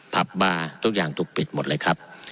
ผับบาร์ทุกอย่างถูกปิดหมดเลยครับ